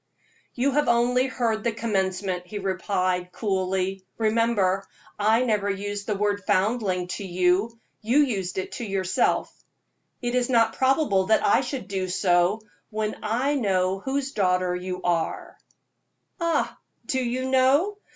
"You have only heard the commencement," he replied, coolly. "Remember, I never used the word 'foundling' to you you used it to yourself. It is not probable that I should do so when I know whose daughter you are." "Ah! Do you know?